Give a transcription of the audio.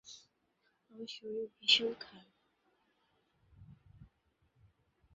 তারা প্রতিবাদী ভঙ্গিতে টুসু গান গেয়ে আন্দোলন শুরু করে।